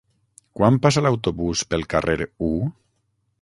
Quan passa l'autobús pel carrer U?